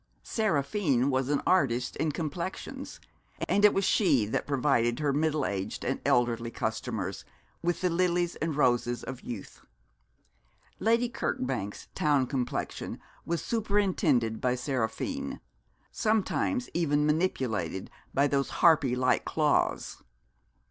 Seraphine was an artist in complexions, and it was she who provided her middle aged and elderly customers with the lilies and roses of youth. Lady Kirkbank's town complexion was superintended by Seraphine, sometimes even manipulated by those harpy like claws.